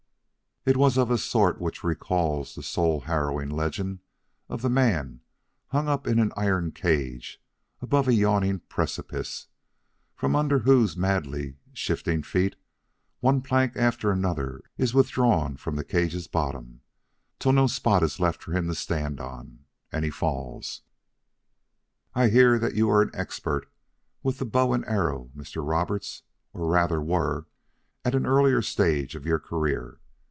It was of a sort which recalls that soul harrowing legend of the man hung up in an iron cage above a yawning precipice, from under whose madly shifting feet one plank after another is withdrawn from the cage's bottom, till no spot is left for him to stand on; and he falls. "I hear that you are an expert with the bow and arrow, Mr. Roberts, or rather were at an earlier stage of your career.